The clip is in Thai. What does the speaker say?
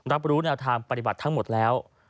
รับรู้แนวทางปฏิบัติทั้งหมดแล้ว